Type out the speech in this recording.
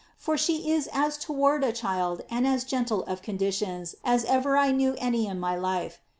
For she is as toward a ehil'l and as gentle of conditions, as ever I knew any in my life.